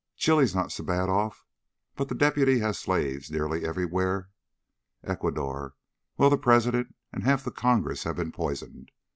"Chile's not so bad off, but the deputy has slaves nearly everywhere. Ecuador well, the President and half of Congress have been poisoned.